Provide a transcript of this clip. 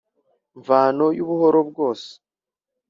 mvano yu buhoro bwose